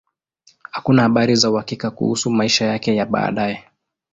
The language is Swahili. Hakuna habari za uhakika kuhusu maisha yake ya baadaye.